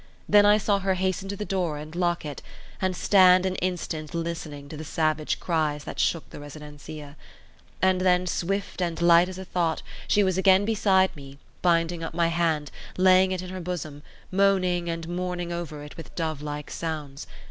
Then I saw her hasten to the door and lock it, and stand an instant listening to the savage cries that shook the residencia. And then, swift and light as a thought, she was again beside me, binding up my hand, laying it in her bosom, moaning and mourning over it with dove like sounds.